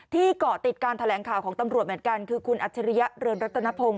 เกาะติดการแถลงข่าวของตำรวจเหมือนกันคือคุณอัจฉริยะเรืองรัตนพงศ